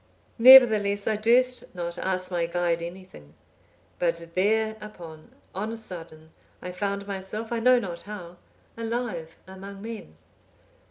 Nevertheless, I durst not ask my guide anything; but thereupon, on a sudden, I found myself, I know not how, alive among men."